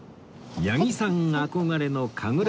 八木さん憧れの神楽坂